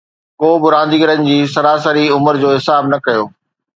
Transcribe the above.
ڪو به رانديگرن جي سراسري عمر جو حساب نه ڪيو